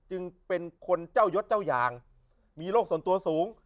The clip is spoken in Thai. จึงเป็นคนเจ้ายศเจ้ายางมีโรคส่วนตัวสูง